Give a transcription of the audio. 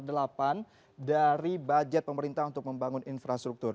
dari budget pemerintah untuk membangun infrastruktur